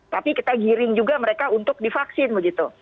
tapi kita giring juga mereka untuk divaksin begitu